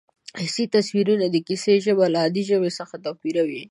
حسي تصویرونه د کیسې ژبه له عادي ژبې څخه توپیروي